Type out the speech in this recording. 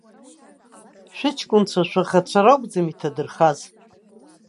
Шәыҷкәынцәа шәаӷацәа ракәӡам иҭадырхаз.